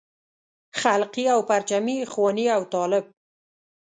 خلقي او پرچمي اخواني او طالب.